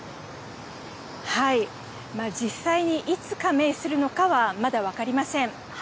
実際にいつ加盟するのかはまだ分かりません。